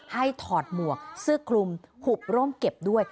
ถอดหมวกเสื้อคลุมหุบร่มเก็บด้วย